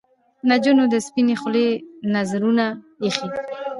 نجونو د سپنې خولې نذرونه ایښي